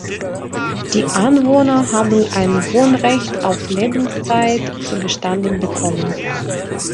Die Anwohner haben ein Wohnrecht auf Lebenszeit zugestanden bekommen.